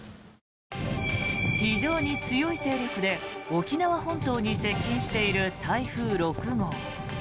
非常に強い勢力で沖縄本島に接近している台風６号。